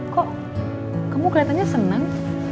kok kamu keliatannya seneng